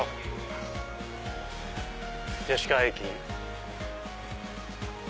吉川駅。